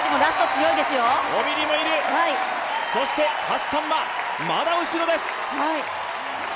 ハッサンはまだ後ろです。